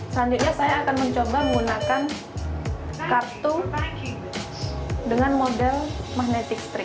selanjutnya saya akan mencoba menggunakan kartu dengan model magnetic strip